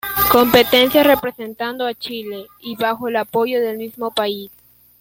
Competencias representando a Chile, y bajo el apoyo del mismo país.